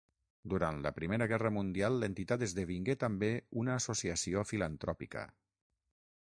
Durant la Primera Guerra Mundial l'entitat esdevingué també una associació filantròpica.